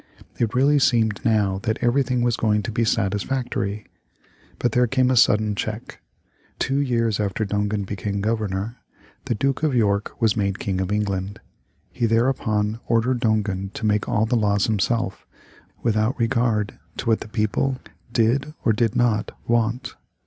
It really seemed now that everything was going to be satisfactory. But there came a sudden check. Two years after Dongan became Governor, the Duke of York was made King of England. He thereupon ordered Dongan to make all the laws himself, without regard to what the people did or did not want.